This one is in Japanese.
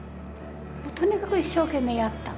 とにかく一生懸命やった。